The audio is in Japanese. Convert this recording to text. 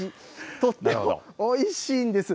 とってもおいしいんです。